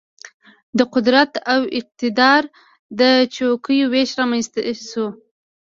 د قدرت او اقتدار د چوکیو وېش رامېنځته شو.